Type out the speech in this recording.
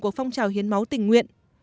của phong trào hiến máu tình nguyện